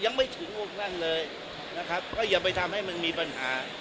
ยังไม่ถึงองค์ท่านเลยนะครับก็อย่าไปทำให้มันมีปัญหา